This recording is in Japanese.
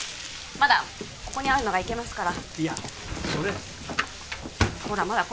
まだここにあるのがいけますからいやそれほらまだ